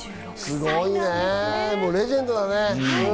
すごいね、レジェンドだね。